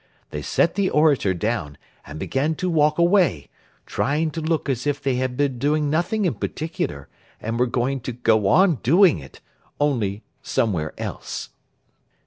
They set the orator down, and began to walk away, trying to look as if they had been doing nothing in particular, and were going to go on doing it only somewhere else.